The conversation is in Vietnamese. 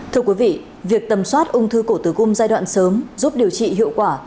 thưa quý vị việc tầm soát ung thư cổ tử cung giai đoạn sớm giúp điều trị hiệu quả